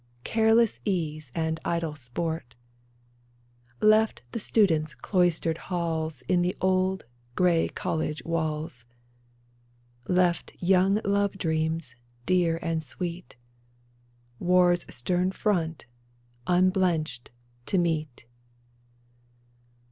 Careless ease and idle sport ; Left the student's cloistered halls In the old, gray college walls ; Left young love dreams, dear and sweet, War's stern front, unblenched, to meet